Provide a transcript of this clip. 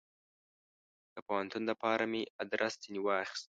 د پوهنتون دپاره مې ادرس ځني واخیست.